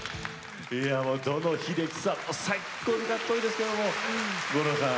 どの秀樹さんも最高にかっこいいですけども五郎さん